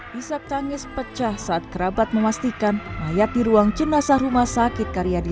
hai isap tangis pecah saat kerabat memastikan mayat di ruang jenazah rumah sakit karyadi